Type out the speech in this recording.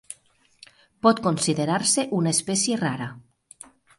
Pot considerar-se una espècie rara.